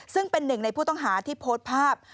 ซึ่งเป็นหนึ่งในผู้ต้องหาที่โพสต์ภาพ